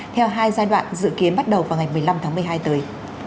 theo hai giai đoạn dự kiến bắt đầu vào ngày một mươi năm tháng một mươi hai tới